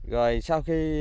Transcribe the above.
rồi sau khi